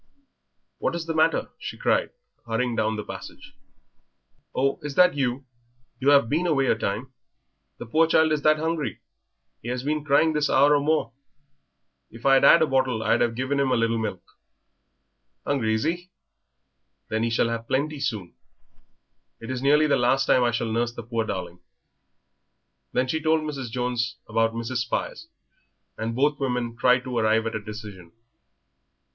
"What is the matter?" she cried, hurrying down the passage. "Oh, is that you? You have been away a time. The poor child is that hungry he has been crying this hour or more. If I'd 'ad a bottle I'd 'ave given him a little milk." "Hungry, is he? Then he shall have plenty soon. It is nearly the last time I shall nurse the poor darling." Then she told Mrs. Jones about Mrs. Spires, and both women tried to arrive at a decision.